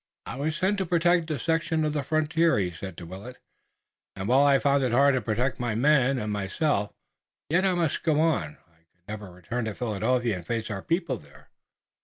"I was sent to protect a section of the frontier," he said to Willet, "and while I've found it hard to protect my men and myself, yet I must go on. I could never return to Philadelphia and face our people there."